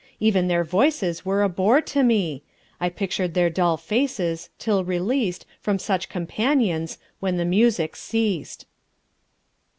Even their voices were a bore to me; I pictured their dull faces, till released From such companions, when the music ceased.